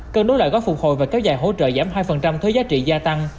cân đối lại gói phục hồi và kéo dài hỗ trợ giảm hai thuế giá trị gia tăng